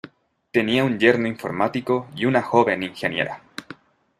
Tenía un yerno informático y una joven ingeniera.